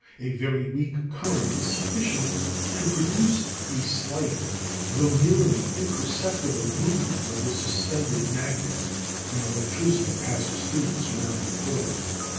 ] A very weak current is sufficient to produce a slight, though nearly imperceptible, movement of the suspended magnet when electricity passes through the surrounding coil.